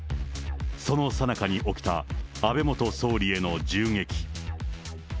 そのさなかに起きた、安倍元総理への銃撃。